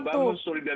saya harus beri waktu